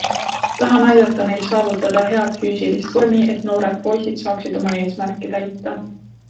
Tahan aidata neil saavutada head füüsilist vormi, et noored poisid saaksid oma eesmärki täita!